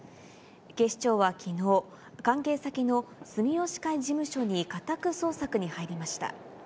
警視庁はきのう、関係先の住吉会事務所に家宅捜索に入りました。